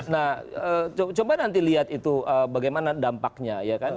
nah coba nanti lihat itu bagaimana dampaknya ya kan